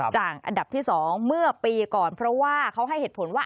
อันดับที่๒เมื่อปีก่อนเพราะว่าเขาให้เหตุผลว่า